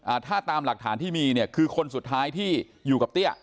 ถ้าตามหลักฐานที่มีเนี่ยคือคนสุดท้ายที่อยู่กับเตี้ย